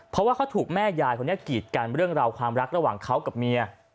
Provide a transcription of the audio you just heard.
เพราะว่าเขาถูกแม่ยายคนนี้กีดกันเรื่องราวความรักระหว่างเขากับเมีย